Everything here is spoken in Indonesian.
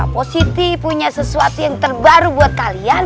positif punya sesuatu yang terbaru buat kalian